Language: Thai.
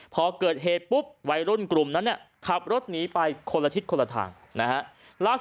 พอเกิดเหตุปุ๊บวัยรุ่นกลุ่มนั้นเนี่ยขับรถหนีไปคนละทิศคนละทางนะฮะ